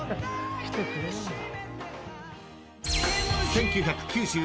［１９９２年